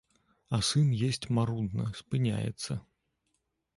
А сын есць марудна, спыняецца.